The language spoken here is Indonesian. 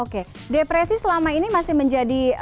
oke depresi selama ini masih menjadi